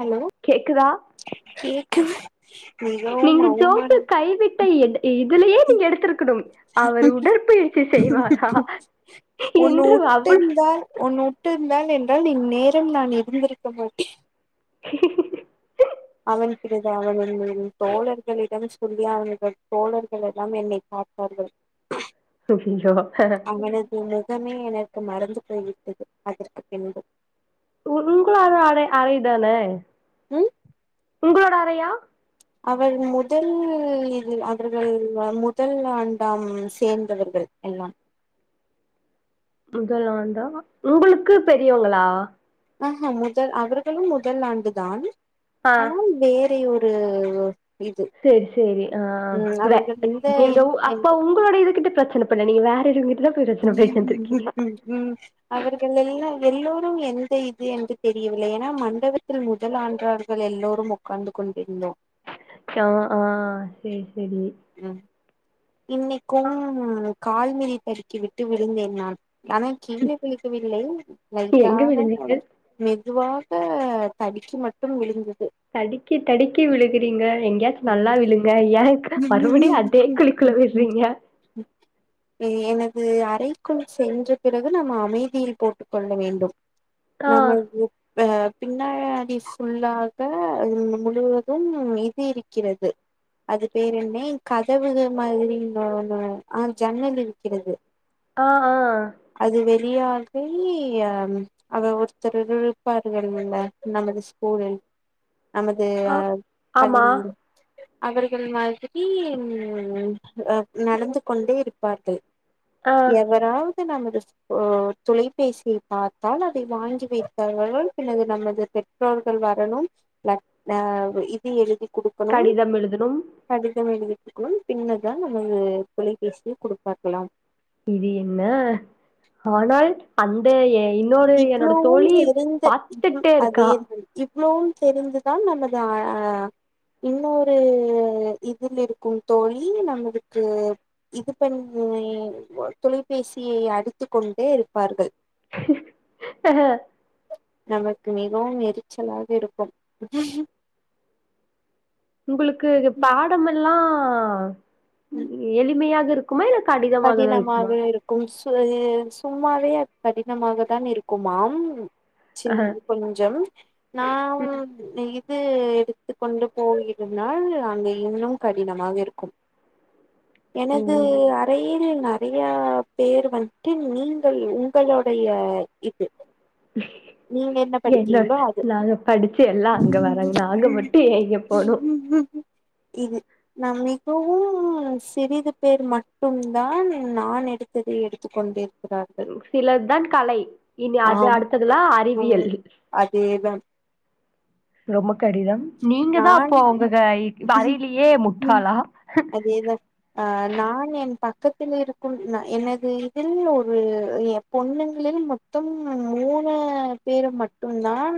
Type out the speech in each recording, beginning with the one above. Hello கேக்குதா கேக்குது மிகவும் அவுமாரு டு எடு இ இதுலயே நீங்க எடுத்துருக்கணு அவர் உடற்பயிற்சி செய்வாரா உன்னு என்று அவளோ உட்டிருந்தால் உன்னு உட்டிருந்தால் என்றால் இந்நேரம் நான் இருந்திருக்க மாட்டே அவன் பிறகு அவர் ஒருவரின் தோழர்களிடம் சொல்லி அவர்கள் தோழர்களேல்லாம் என்னை காத்தார்கள் துய்யியோ ஹஹ முகமே எனக்கு மறந்து போய்விட்டது அதற்குப் பின்பு உங்ளோட அடை அறைதான ம் உங்குளோட அறையா அவர் முதல் இது அவர்கள் முதல் ஆண்டாம் சேர்ந்தவர்கள் எல்லாம் முதலாண்டா உங்களுக்கு பெரியோங்களா அ ஹ முதல் அவர்களும் முதல் ஆண்டு தான் ஆ ஆனால் வேறயோ ரு ஒ சேரி சேரி ஆ, வெ அவர்கள் எந்த நீங்க உ அப்ப இது உங்களோட இது கிட்ட பிரச் பண்ண பண்ண நீங்க வேற ஒரு வீ ம் அவர்கள் எல்லா எல்லோரும் எந்த இது என்று தெரியவில்லை ஏன்னா மண்டபத்தில் முதல் ஆன்றார்கள் எல்லோரும் உட்கார்ந்து கொண்டிருந்தோம் ஆ ஆ சேரி சேரி, ஆ கால்மிதி தடுக் கி விட்டு விழுந்தேன் நான் ஆனா கீழே விழுகவில்லை எங்க லைட்டாக விழுந்தீங்க கொஞ்சம் மெ மெதுவாக தடிக்கி மட்டும் விழுந்து எங்கயாச்சும் நல்லா விழுங்க ஏ மறுபடியும் அதே குழிக்குள்ள விழ்றீங்க கு அறைக்குள் சென்ற பிறகு நம்ம அமைதியில் போட்டுக் கொள்ள வேண்டும் ஆ நம்மள்து ப பின்ன அடி சுல்லாக முழுவது இது இருக் இருக்கிறது அது பேர் என்ன கதவுக மாதிரி நா நா ஆ ஜன்னல் இருக்கிறது ஆ ஆ பெரியார்கை அவர் ஒருத்தர் இருப்பார்கள்ல்ல நமது ஸ்கூலில் நமது ஆ பணி ஆமா அவர்கள் மாதிரி உம் ஆ நடந்து கொண்டே இருப்பார்கள் ஆ எவரா அது நமது தொ தொலைபேசியை பார்த்தால் அதை வாங்கி வைத்தவர்கள் அல்லது நமது பெற்றோர்கள் வரணு லெட் இது எழுதி கு கடிதம் எழுதணும் னு பின்னர் தா நமது தொலைபேசியை குடுப்பார்கலா இது என்ன ஆனால் அந்த எ இன்னொரு என்னோட இவ்ளவோவு தோழி தெறிந்த ம்ஹூ பாத்துட்டே இருக்கா அதேதா இவ் இவ்ளோவு தெரிந்துதா நமது அ இன்னொரு இதில் இருக்கு தோழி நமளுக்கு இது பண்ணி தொலைபேசியை அடித்து கொண்டே இருப்பார்கள் ஆ நமக்கு மிகவும் எரிச்சலாக இருக்கும் உங்களுக்கு பாடமல்லா ஆஹ் எளிமையாக இருக் கடினமாக இருக்கு சுல் சு சும்மாவே அது கடினமாக தா இருக்குமாம் சின் ஆ கொஞ்ச நா ம் [unintelligible] து எடுத்துக்கொண்டு போயிருந்தால் அங்க இன்னு கடினமாக இருக்கும் எனது ஓ சீரியல் நறையா பேர் வந்துட்டு நீங்கள் உங்களுடைய இது நீங்க என்ன படித்தீங்களோ அது நாங்க படிச்சு எல்லா அங்க வரங்க நாங்க மட்டு ஏங்க போனு இது நா மிகவும் சிறிது பேர் மட்டும்தான் நா எடுத்ததை எடுத்துக்கொண்டேன் சிலதான் கலை இனி அது அடுத்ததுலா அறி ம் அதேதான் ரொம்ப கடிதம் நீங்க தா நான் அப்போ உங்க ஹா வரைலியே முட்டாளா க்கத்தில் இருக்கும் நா எனது இதில் ஒரு எ பொண்ணுங்களில் மொத்தம் மூணு பேரு மட்டும்தான்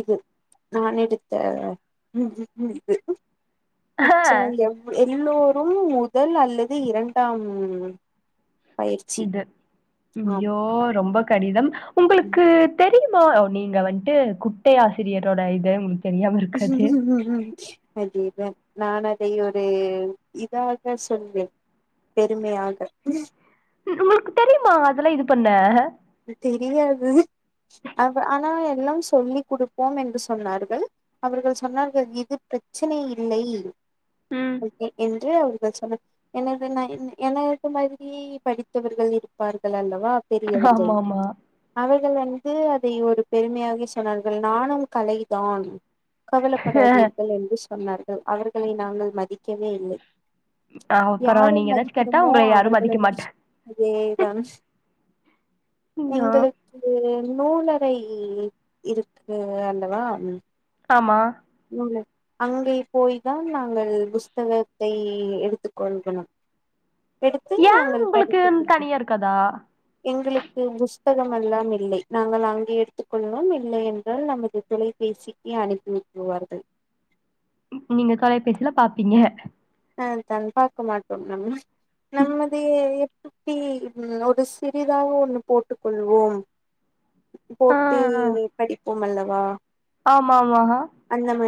இது நான் எடுத்த ஆ [unintelligible] [unintelligible] எவ் எல்லோரும் முதல் அல்லது இரண்டாம் பயிற்சி இது ஆம் ஐயோ ரொம்ப கடிதம் உங்களுக்கு தெரி [unintelligible] நீங்க வன்ட்டு குட்டை ஆசிரியரோட இது தெரியாம இருக்காது [unintelligible] நான் அதை ஒரு இதாக சொல்வேன் பெருமையாக உங்களுக்கு தெரியுமா அதல்லா இது பண்ண தெரியாது ஆனா எல்லாம் சொல்லிக் குடுப்போம் என்று சொன்னார்கள் அவர்கள் சொன்னார்கள் இது பிரச்சனை இல்லை ம் [unintelligible] என்று சொன்ன எனது எனது மாதிரி படித்தவர்கள் இருப்பார்கள் அல்லவா தெரியிறது ஆமா ஆமா [unintelligible] வந்து அதை ஒரு பெருமையாகி சொன்னார்கள் நானும் கலை தான் கவலப்படாதீர்கள் என்று சொன் சொன்னார்கள் அவர்களை நாங்கள் மதி க்கவே இல்லை அப்புறோ யாரை நீங்க ஏதாச்சு கேட்டா மதிக்கிறமோ உங்கள யாரு அவர்களை மதிக்க மதிச்ச மாட்டாங்க அதேதான் ஐயோ எங்களுக்கு நூலறை இருக்கு அல்லவா ஆமா நூலு அங்கே போய் தான் நாங்கள் புஸ்தகத்தை எடுத்துக் கொள்கணும் எடுத்து ஏ நாங்கள் உங்களுக்கு படித்து கொள்வோம் தனியா இருக்காதா எங்களுக்கு புஸ் புத்தகமெல்லாம் இல்லை நாங்கள் அங்கே எடுத்துக்கொள்வோம் இல்லை என்றால் நமது தொலைபேசிக்கு அனுப்பு புவார்கள் நீங்க தொலைபேசில பாப்பீங்க ஆஹ் தான் பார்க்க மாட்டோம் நம் நம்மது சுப்பி உ ஒரு சிறிதாக ஒண்ணு போட்டுக் கொள்வோம் ஆ போட்டு ஆ படிப்போம் அல்ல வா ஆமா மகா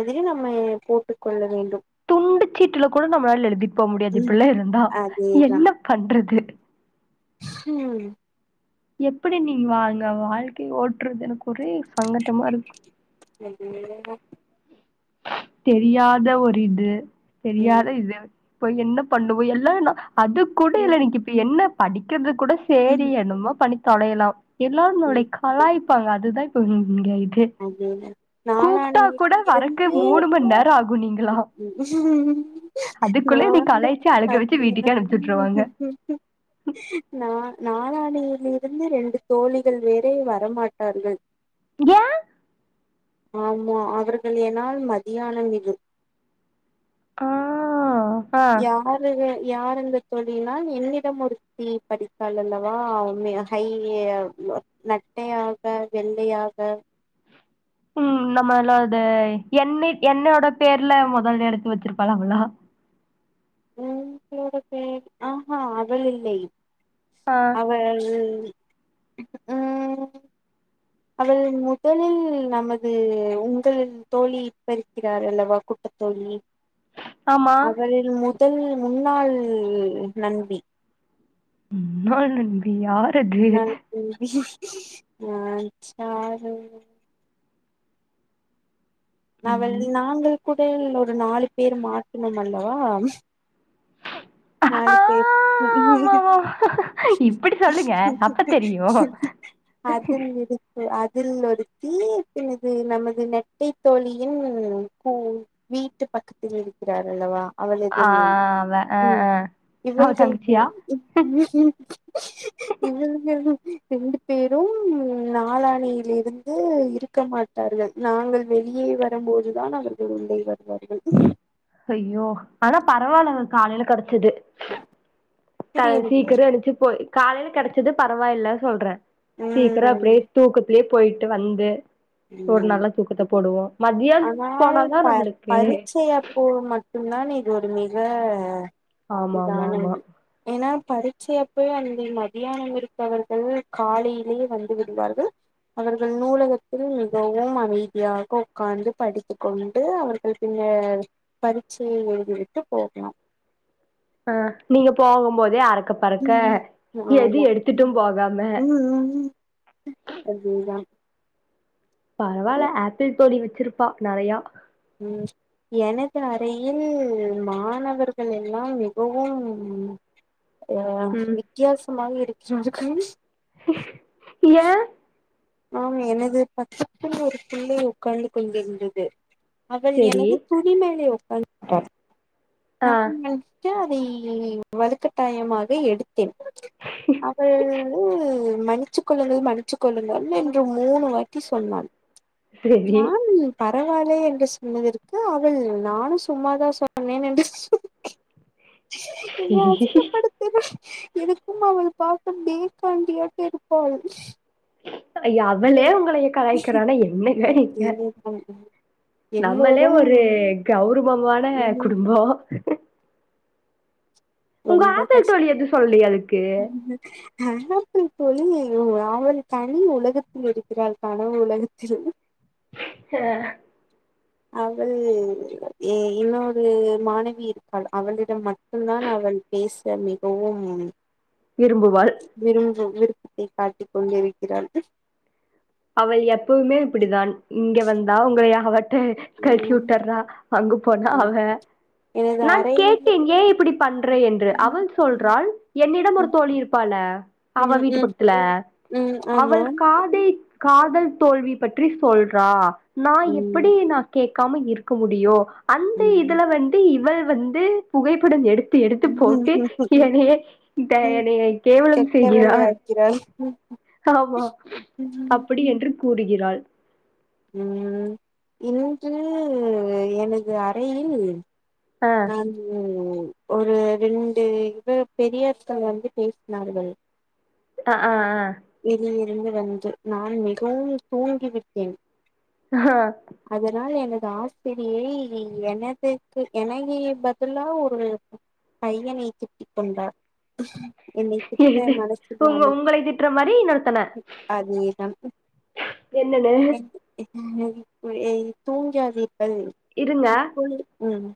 இது நம்ம போட்டுக் கொள்ள வேண்டும் துண்டிச்சீட்டுல கொழந்த மாதிரிலா எழுதிட்டு போக முடியாது ம் இப்புல்லா இருந்தா என்ன பண்ற [unintelligible] உம்ஹ் எப்படி நீங் வாங்க வாழ்க்கை ஓட்டுறது எனக்கு ஒரே சங்கட்டமா இருக்கு [unintelligible] தெரியாத ஒரு இது தெரியாத ம் இது போய் என்ன பண்ணுவோ எல்லா என்ன அது கூட இல்ல ம் எனய்க்கு இப்ப என்ன படிக்கற்து கூட சேரி ம் என்னமோ பணி தொலயலவ் எல்லாரு ம் நம்மளய் கலாய் ப்பாங்க அதுதா இப்ப ஹ்ம் ங்க இது கூப்ட்டா கூட வர ஏ அதுக்குள்ள என்னய நான்தா கலாய்ச்சு அழுக வச்சு அதேதா வீட்டுக்கே அனுப்ச்சு விட்ருவாங்க நா நாளான்னயிலேருந்து ரெண்டு தோழிகள் வேறு வரமாட்டார்கள் ஏ ஆமா அவர்கள் எனால் மதியானம் இது ஆஹ் யாரு வே யாரந்த தோழிகள்னா என்னிடம் ஒருத்தி படித்தாலல்லவா உண்மயா ஹை நெட்டையாக வெள்ளையாக உம் நம்மல்லது என்னை என்னோட பேர்ல மொதல் எழுத்து வச்சிருப்பால்ல அவளா உம் பேரு பேரு ஆஹா அவள் இல்லை ஆ அவள் ஹூ அவள் முதலில் நமது உங்கள் தோழி இப்ப இருக்கிறார் அல்லவா குட்டத்தோழி ஆமா அவளில் முது முதல் முன்னாள் நண்பி உம் முனாள் நண்பி யாரது அ சாரு அவள் நாங்கள் கூடல் ஒரு நாலு பேர் மாற்றுனோம் அல்லவா ஆ நாலு பேரு ஆமாமா இப்டி சொல்லுங்க அப்ப தெரியு அது உங்களுக்கு அ இதில் ஒருத்திப்பின் இது நமது நெட்டை தோழியின் கூ வீட்டு பக்கத்தில் இருக்கிறார் அல்லவா ஆ வே ஹெ ஹ இவள்கள்கு ம் ம் இவளுங்க ரெண்டு பேரு நாளான்னைல இருந்து இருக்க மாட்டார்கள் நாங்கள் வெளியே வரம்போதுதான் அவர்கள் உள்ளே வருவார்கள் அய்யோ ஆனா பரவால்லங்க காலைல கெடச்சுது த புரியவில்லை சீக்கிரொ எழுஞ்ச்சு போய் காலைல கெடச்சுது பரவாயில்ல சொல்றேன் சீக்கரம் ம் அப்டியே தூக்கத்திலே போயிட்டு வந்து ஒரு உம் நல்ல தூக்கத்த போடுவோ மதியான் ஆனால் போனாதா நம்மளுக்கு பரிட்சை அப்போ மட்டும் தான் இது ஒரு மி வே ஆமா ஆமா ஆமா பரீட்சை யப்போ அந்த மத்தியானம் இருப்பவர்கள் காலையிலேயே வந்து விடுவார்கள் அவர்கள் நூலக மிகவும் அமைதியாக உட்கார்ந்து படித்து கொண்டு அவர்கள் பின்னர் பரீட்சையை எழுதிவிட்டு போகலாம் ஆஹ் நீங்க போகும் போதே அக்க ம் ஆமா போகாம உ [unintelligible] அதேதான் பரவால்ல ஆப்பிள் தோழி வச்சிருப்பா நெறையா உம் எனது அறையில் மாணவர்கள் எல்லாம் மிகவும் ஆஹ ம் வித்தியாசமாக எச் [unintelligible] ஏன் ஆம் எனது பக்கத்தில் ஒரு பிள்ளை உட்காந்து கொண்டிருந்தது அவள் செரி எனது துணி மேலே ப [unintelligible] ந ஆ [unintelligible] [unintelligible] வலுக்கட்டாயமாக எடு [unintelligible] அவள் மன்னிச்சி கொள்ளுங்கள் மன்னிச்சி கொள்ளுங்கள் [unintelligible] மூணு வாட்டி சொன்னான் செரி நான் [unintelligible] பரவால்லே என்று சொன்னதற்கக்கு அவள் நானும் சும்மாதான் சொன்னேன் என்று [unintelligible] என்ன அசிங்கப்படுத்துற எனக்கும் அவள் பார்த்த [unintelligible] இருப்பாள் அவளே உங்களைய கலயக்கிறானா என்னக நீங்க அதேதான் நம்மளே எல்லோரும் ஒரு கௌ குடும்பமான ம் குடும்பம் உங்க ரொம்ப ஆப்பிள் தோழி எது சொல்லயா அதுக்கு கஷ்டம் [unintelligible] தோழி அவள் தனி உலகத்தில் இருக்கிறாள் கனவு உலகத்தில் ஹ அவள் இன்னொரு மாணவி இருக்காள் அவளிடம் மட்டும் தான் அவள் பேச மிகவும் விரும்புவாள் விருப்பத்தைக் காட்டிக் கொண்டிருக்கிறார்கள் அவள் எப்பவுமே இப்படிதான் இங்க வந்தா உங்க யா ஹவட் [unintelligible] அங்க போனா அவ எனது நான் அறையிலே கேட்டேன் ஏ இப்படி பண்றே என்று ம் அவள் சொல்றாள் என்னிடம் ஒரு தோழி இருப்பால அவ வீட்டு ம் பக்கத்துல ம் ஆமா அவள் காதை காதல் தோல்வி பற்றி சொல்றா நா ம் எப்படி நா கே க்காம இருக்க முடியூ அந்த ம் இதுல வந்து இவ வந்து புகைப்படம் எடுத் து எடுத்து போட்டு எனைய ட எனைய கேவலம் கெட்ட செய்கிறான் வேலையாக்கிறாள் ஆமா ம் அப்படி என்று கூறுகிறாள் ம் இன்று எனது அறையில் ஆ, நான் ஒரு ரெண்டு இது பெரிய சார் வந்து பேசினார்கள் அ ஆ ஆ எதில்யூ இங்கு வந்து நான் மிகவும் தூங்கி விட்டேன் ஆ, ஆ. அதனால் எனக் சாஸ்திரியை எனதுக்கு எனையி பதிலா ஒரு பையனை திட்டிக் கொண்டார் என்னை திட்ட மனசில்லாமல் ட்ற மாரி இன்னொர்த்தன அதேதான் என்னன்னு [unintelligible] போய் தூங்கியாது பள் இருங்க இப்பொழு ம்